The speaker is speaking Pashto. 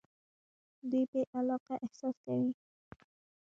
دوی بې علاقه احساس کوي.